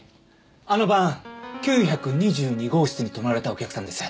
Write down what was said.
あの晩９２２号室に泊まられたお客さんです。